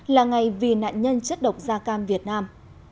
là ngày vì nạn nhân chất độc da cam việt nam